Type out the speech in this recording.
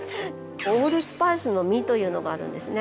オールスパイスの実というのがあるんですね。